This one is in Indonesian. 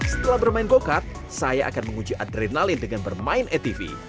setelah bermain go kart saya akan menguji adrenalin dengan bermain atv